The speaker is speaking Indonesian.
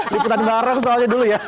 liputan bareng soalnya dulu ya